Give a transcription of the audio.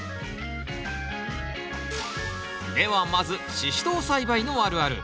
ではまずシシトウ栽培のあるある。